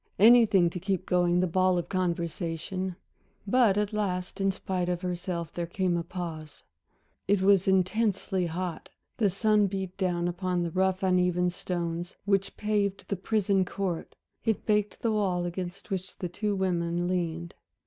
Anything to keep going the ball of conversation! But at last, in spite of herself, there came a pause. It was intensely hot. The sun beat down upon the rough uneven stones which paved the prison court, it baked the wall against which the two women leaned.